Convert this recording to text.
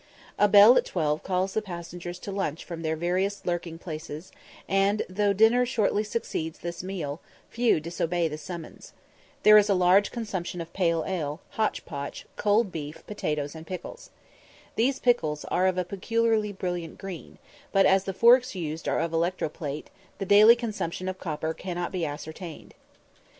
A bell at twelve calls the passengers to lunch from their various lurking places, and, though dinner shortly succeeds this meal, few disobey the summons. There is a large consumption of pale ale, hotch potch, cold beef, potatoes, and pickles. These pickles are of a peculiarly brilliant green, but, as the forks used are of electro plate, the daily consumption of copper cannot be ascertained.